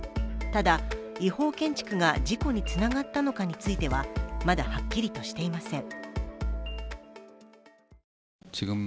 ただ、違法建築が事故につながったのかについてはまだ、はっきりとしていません。